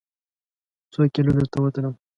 څوکیلو درته وتلم؟